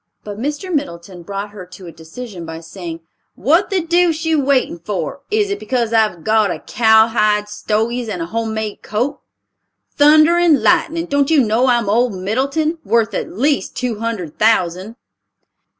But Mr. Middleton brought her to a decision by saying, "what the deuce you waiting for? Is it because I've got on cowhide stogies and a home made coat? Thunder and lightning! Don't you know I'm old Middleton, worth at least two hundred thousand?"